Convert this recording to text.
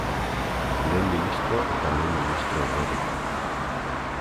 Lehen ministro eta lehen ministro orderekin.